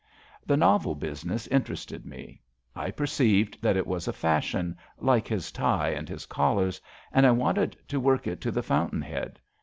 The novel business interested me. I perceived that it was a fashion, like his tie and his collars, and I wanted to work it to the fountain head.